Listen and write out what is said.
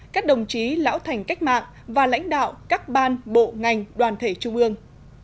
các đồng chí lão thành cách mạng và lãnh đạo các ban bộ ngành đoàn thể trung ương